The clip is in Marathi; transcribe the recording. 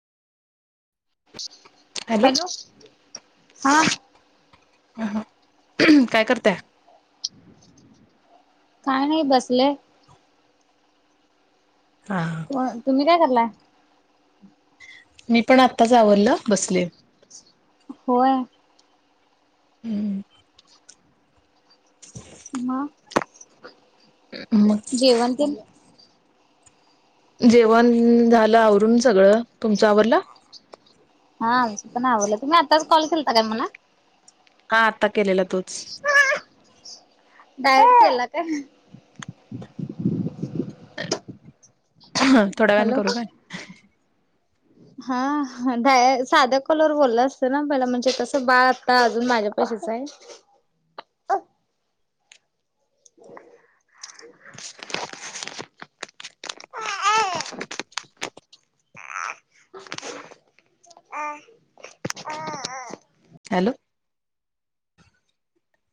हॅलो हा अ काय करताय काय नाही बसले को तुम्ही काय करलाय मी पण आत्ताच आवरलं बसले होय हम्म ह मग जेवण के जेवण झालं आवरून सगळं तुमच्यावरला हाम पण आवलं तुम्ही आताच कॉल केलता काय मला हा आता केलेला तूच ायला का थोड्या वेण हॅलो करू का हा ा साध्या कॉलर बोलला असतं ना पहिला म्हणजे कस बा आता अजून माझ्याप कच आहे ह [inaudible] हह ह ह हॅलो